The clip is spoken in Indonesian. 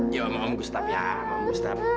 ya ya mam gustaf ya mam gustaf